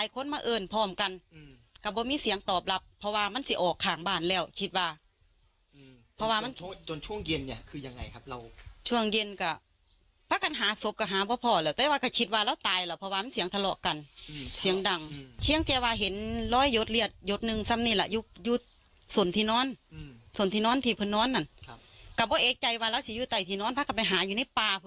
คือตอนนั้นเพื่อนบ้านล่าให้ฟังบอกว่าช่วงเกิดเหตุได้ยินเสียงเหมือนทะเลาะกัน